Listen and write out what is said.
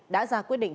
đã ra quyết định